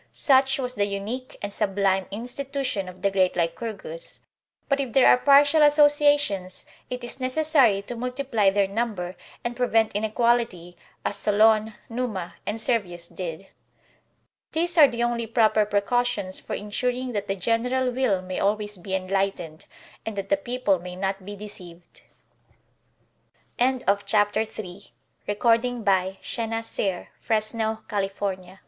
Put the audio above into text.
* Such was the unique and sublime institution of the great Lycurgus. But if there are partial associations, it is necessary to multiply their ntmiber and prevent inequality, as Solon, Numa, and Servius did. These are the only proper precautions for insuring that the general will may always be enlightened, and that the people may not be deceived. CHAPTER IV. The Li